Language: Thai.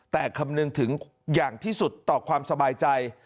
แต่คำนึงถึงอย่างที่สุดต่อความสบายใจ